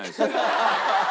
ハハハハ！